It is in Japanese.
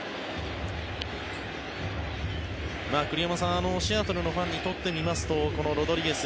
栗山さん、シアトルのファンにとってみますとこのロドリゲス